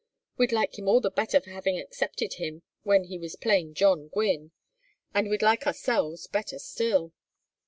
We'd like him all the better for having accepted him when he was plain John Gwynne, and we'd like ourselves better still.